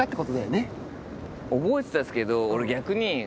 覚えてたっすけど俺。